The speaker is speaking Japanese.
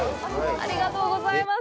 ありがとうございます。